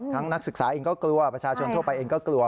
นักศึกษาเองก็กลัวประชาชนทั่วไปเองก็กลัว